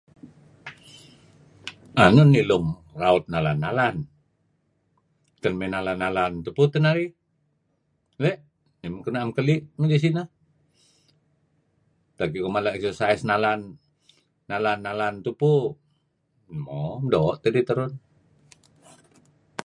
Enun ilung raut nalan-nalan? Ken mey nalan-nalan tupu teh narih? Ley'. Nih men keduih na'em keli' nuk midih sineh. Tak iko mala eksesais nalan, nalan-nalan tupu, mo doo' tidih terun.